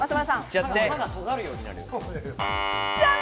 歯がとがるようになる。